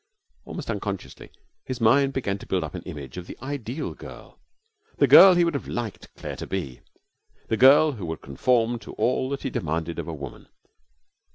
Almost unconsciously his mind began to build up an image of the ideal girl, the girl he would have liked Claire to be, the girl who would conform to all that he demanded of woman.